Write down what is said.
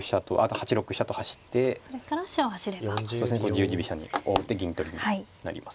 十字飛車に王手銀取りになります。